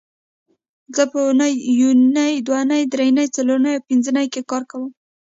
زه په اونۍ یونۍ دونۍ درېنۍ څلورنۍ او پبنځنۍ کې کار کوم